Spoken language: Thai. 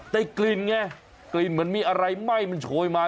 แต่กลิ่นไงกลิ่นเหมือนมีอะไรไหม้มันโชยมา